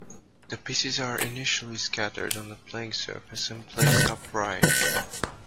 The pieces are initially scattered on the playing surface, and placed upright.